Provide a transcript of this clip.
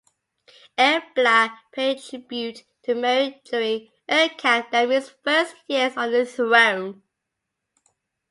Ebla paid tribute to Mari during Irkab-Damu's first years on the throne.